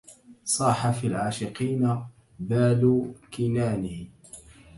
صاح في العاشقين بال كنانه